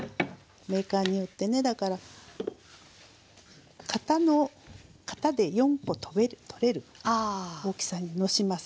メーカーによってねだから型で４コ取れる大きさにのします。